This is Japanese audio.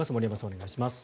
お願いします。